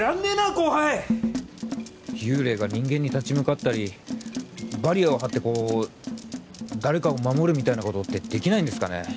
後輩幽霊が人間に立ち向かったりバリアをはってこう誰かを守るみたいなことってできないんですかね？